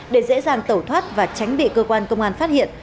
để dễ dàng tẩu thoát và tránh bị cơ quan công an phát hiện